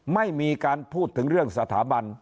ไม่มีการพูดถึงเรื่องสถาบัน